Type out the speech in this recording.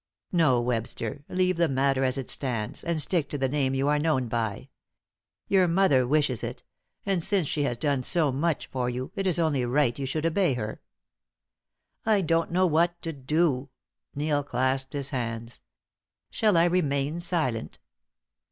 No, Webster; leave the matter as it stands, and stick to the name you are known by. Your mother wishes it; and since she has done so much for you, it is only right you should obey her." "I don't know what to do." Neil clasped his hands. "Shall I remain silent?"